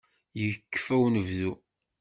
Yekfa unebdu.